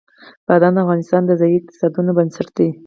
بادام د افغانستان د ځایي اقتصادونو بنسټ دی.